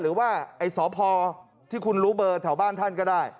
หรือว่าไอ้สพที่คุณรู้เบอร์แถวบ้านท่านก็ได้